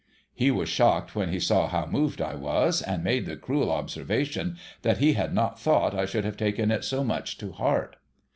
He was shocked when he saw how moved I was, and made the cruel observation, that he had not thought I should have taken it so much to heart.